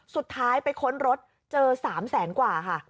สุดท้ายไปค้นรถเจอ๓แสนกว่าค่ะ